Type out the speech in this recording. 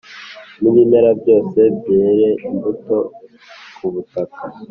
n’ibimera byose byerere imbuto ku butaka